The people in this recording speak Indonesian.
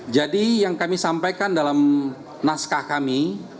jadi yang kami sampaikan dalam naskah kami